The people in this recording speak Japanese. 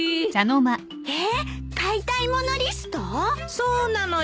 そうなのよ。